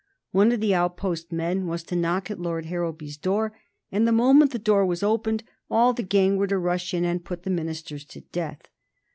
One of the outpost men was to knock at Lord Harrowby's door, and the moment the door was opened all the gang were to rush in and put the ministers to death.